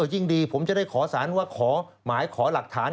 ยิ่งดีผมจะได้ขอสารว่าขอหมายขอหลักฐาน